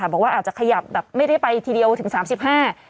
บอกว่าอาจจะขยับไม่ได้ไปทีเดียวถึง๓๕บาท